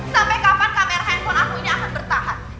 sampai kapan kamera handphone aku ini akan bertahan